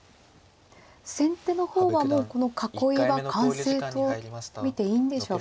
先手の方はもうこの囲いは完成と見ていいんでしょうか。